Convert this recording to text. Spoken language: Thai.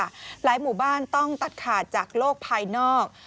หลายหมู่บ้านต้องตัดขาดจากโลกภายนอก